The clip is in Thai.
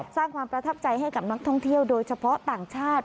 สร้างความประทับใจให้กับนักท่องเที่ยวโดยเฉพาะต่างชาติ